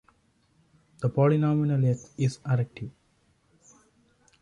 The polynomial "x" is additive.